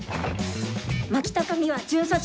牧高美和巡査長！